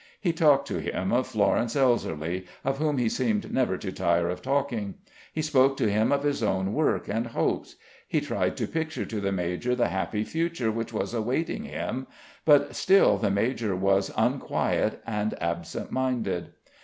He talked to him of Florence Elserly, of whom he seemed never to tire of talking; he spoke to him of his own work and hopes. He tried to picture to the major the happy future which was awaiting him but still the major was unquiet and absent minded.